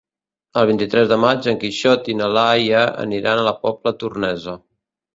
El vint-i-tres de maig en Quixot i na Laia aniran a la Pobla Tornesa.